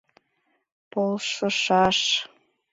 Полшышаш...